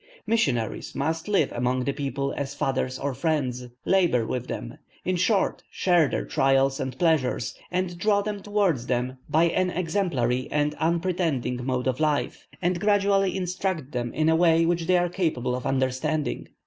Missionaries must live among the people as fathers or friends, labour with them in short, share their trials and pleasures, and draw them towards them by an exemplary and unpretending mode of life, and gradually instruct them in a way they are capable of understanding.